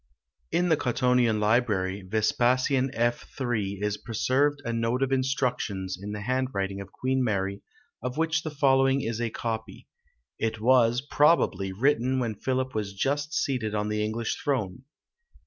In the Cottonian Library, Vespasian F. III. is preserved a note of instructions in the handwriting of Queen Mary, of which the following is a copy. It was, probably, written when Philip was just seated on the English throne.